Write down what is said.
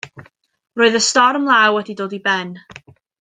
Roedd y storm law wedi dod i ben.